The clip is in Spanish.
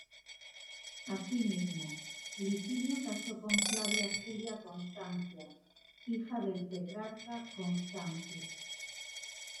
Así mismo, Licinio casó con Flavia Julia Constancia, hija del tetrarca Constancio.